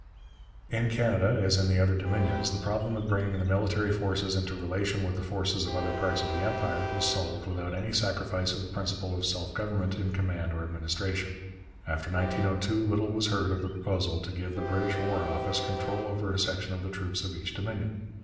In Canada as in the other Dominions the problem of bringing the military forces into relation with the forces of other parts of the Empire was solved without any sacrifice of the principle of self government in command or administration. After 1902 little was heard of the proposal to give the British War Office control over a section of the troops of each Dominion.